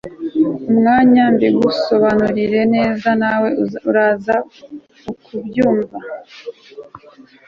umwanya mbigusobanurire neza nawe uraza ukubyumvaJackson